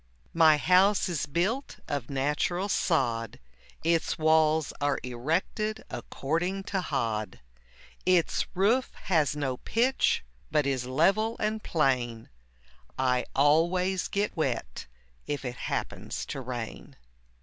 My house is built of natural sod, Its walls are erected according to hod; Its roof has no pitch but is level and plain, I always get wet if it happens to rain.